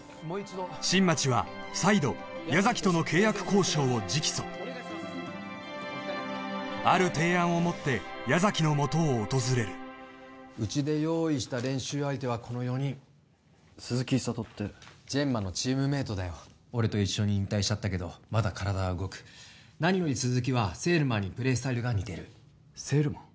新町は再度矢崎との契約交渉を直訴ある提案を持って矢崎のもとを訪れるうちで用意した練習相手はこの４人鈴木湧己ってジェンマのチームメイトだよ俺と一緒に引退しちゃったけどまだ体は動く何より鈴木はセールマンにプレースタイルが似てるセールマン？